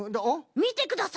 みてください